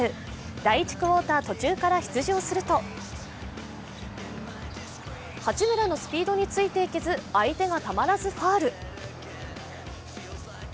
第１クオーター途中から出場すると八村のスピードについて行けず相手がたまらずファウル。